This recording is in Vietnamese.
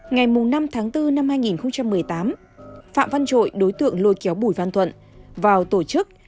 ngày năm tháng bốn năm hai nghìn một mươi tám phạm văn trội đối tượng lôi kéo bùi văn thuận vào tổ chức